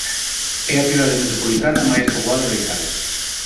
É a cidade metropolitana máis poboada de Italia.